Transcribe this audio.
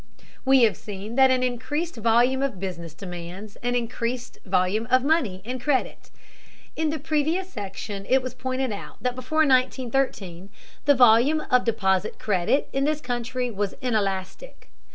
We have seen that an increased volume of business demands an increased volume of money and credit. In the previous section it was pointed out that before 1913 the volume of deposit credit in this country was inelastic.